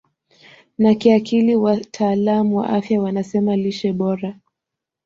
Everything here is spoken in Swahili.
na kiakili Wataalam wa afya wanasema lishe bora